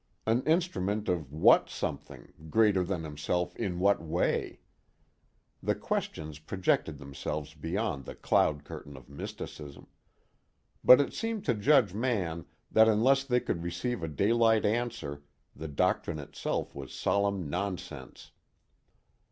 An instrument of what something, greater than himself in what way? The questions projected themselves beyond the cloud curtain of mysticism. But it seemed to Judge Mann that unless they could receive a daylight answer, the doctrine itself was solemn nonsense.